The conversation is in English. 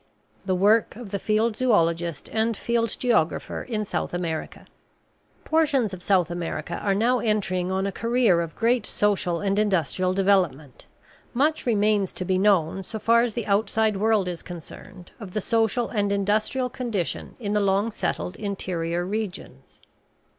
The Work of the Field Zoologist and Field Geographer in South America Portions of South America are now entering on a career of great social and industrial development. Much remains to be known, so far as the outside world is concerned, of the social and industrial condition in the long settled interior regions.